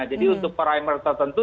jadi untuk primer tertentu